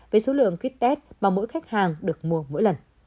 về số lượng ký test mà mỗi khách hàng được mua mỗi lần